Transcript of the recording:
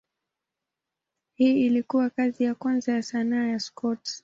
Hii ilikuwa kazi ya kwanza ya sanaa ya Scott.